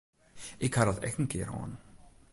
Ik ha dat ek in kear hân.